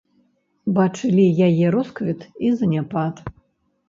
Бачылі яе росквіт і заняпад.